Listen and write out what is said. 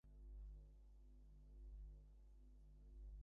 সে খুব সৎ ও বুদ্ধিমান ছেলে এবং কলিকাতা বিশ্ববিদ্যালয়ের আণ্ডারগ্রাজুয়েট।